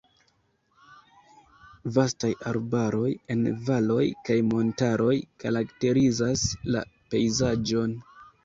Vastaj arbaroj en valoj kaj montaroj karakterizas la pejzaĝon.